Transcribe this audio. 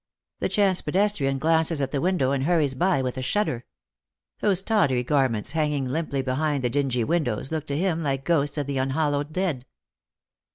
The chance pedestrian glances at the window and hurries by with a shudder. Those tawdry garments hanging limply be hind the dingy windows look to him like ghosts of the unhal lowed dead.